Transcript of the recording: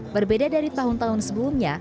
berbeda dari tahun tahun sebelumnya